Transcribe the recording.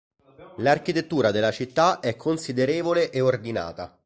L'architettura della città è considerevole e ordinata.